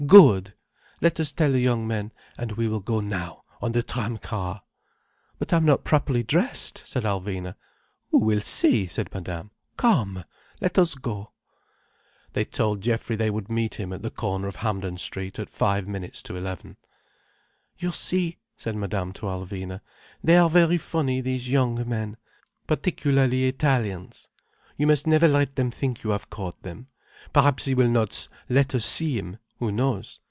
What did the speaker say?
Good! Let us tell the young men, and we will go now, on the tram car." "But I am not properly dressed," said Alvina. "Who will see?" said Madame. "Come, let us go." They told Geoffrey they would meet him at the corner of Hampden Street at five minutes to eleven. "You see," said Madame to Alvina, "they are very funny, these young men, particularly Italians. You must never let them think you have caught them. Perhaps he will not let us see him—who knows?